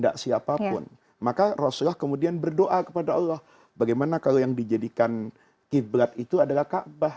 dikeluarkan zakat dari nilai yang ada